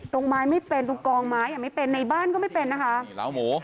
ตรงไม้ไม่เป็นตรงกองไม้ยังไม่เป็นในบ้านก็ไม่เป็นนะคะล้าวหมู